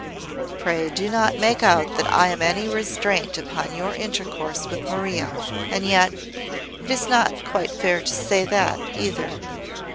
"Pray, do not make out that I am any restraint upon your intercourse with Maria. And yet it is not quite fair to say that, either."